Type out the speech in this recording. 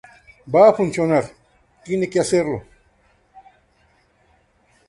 va a funcionar. tiene que hacerlo.